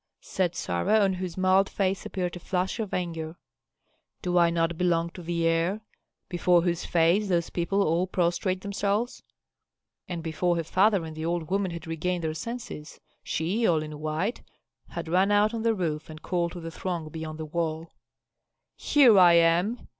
said Sarah, on whose mild face appeared a flush of anger. "Do I not belong to the heir, before whose face those people all prostrate themselves?" And before her father and the old woman had regained their senses, she, all in white, had run out on the roof and called to the throng beyond the wall, "Here I am!